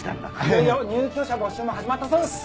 いよいよ入居者募集も始まったそうです。